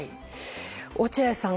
落合さん